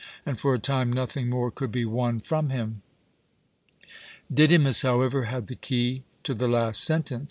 and for a time nothing more could be won from him. Didymus, however, had the key to the last sentence.